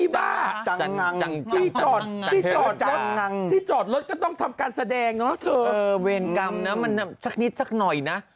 เวียนกรรมนะมันชั่นิดสักหน่อยนะ